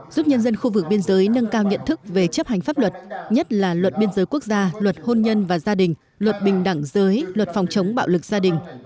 giúp nhân dân khu vực biên giới nâng cao nhận thức về chấp hành pháp luật nhất là luật biên giới quốc gia luật hôn nhân và gia đình luật bình đẳng giới luật phòng chống bạo lực gia đình